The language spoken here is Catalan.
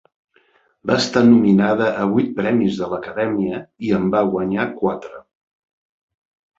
Va estar nominada a vuit Premis de l'Acadèmia i en va guanyar quatre.